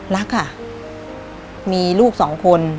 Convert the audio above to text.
รักค่ะมีลูกสองคน